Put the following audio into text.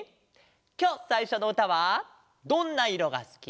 きょうさいしょのうたは「どんな色がすき」。